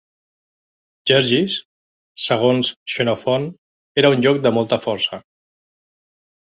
Gergis, segons Xenofont, era un lloc de molta força.